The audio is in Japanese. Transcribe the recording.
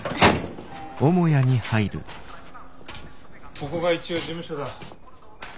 ここが一応事務所だ。